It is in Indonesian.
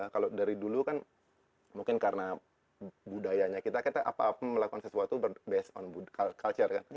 kalau dari dulu kan mungkin karena budayanya kita kita melakukan sesuatu berdasarkan budaya